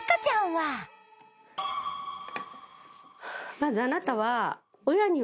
まずあなたは。